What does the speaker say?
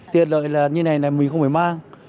tiện lợi là như này mình không phải mang